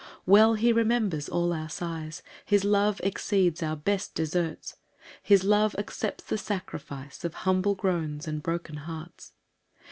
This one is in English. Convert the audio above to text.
3 Well he remembers all our sighs, His love exceeds our best deserts, His love accepts the sacrifice Of humble groans and broken hearts.